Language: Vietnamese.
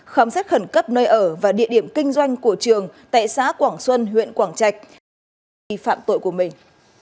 khám xét khẩn cấp nơi ở và địa điểm kinh doanh của trường tại xã quảng xuân huyện quảng trạch đều bị phạm tội của mình